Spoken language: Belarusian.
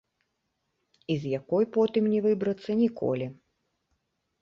І з якой потым не выбрацца ніколі.